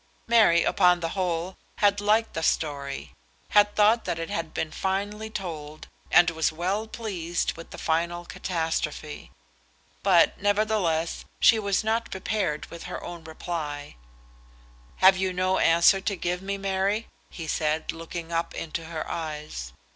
Mary, upon the whole, had liked the story, had thought that it had been finely told, and was well pleased with the final catastrophe. But, nevertheless, she was not prepared with her reply. "Have you no answer to give me, Mary?" he said, looking up into her eyes.